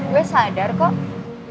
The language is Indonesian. gue sadar kok